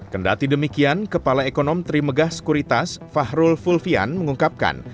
kendati demikian kepala ekonomi trimegah sekuritas fahrul fulfian mengungkapkan